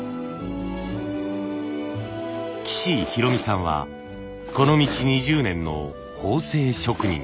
岸弘美さんはこの道２０年の縫製職人。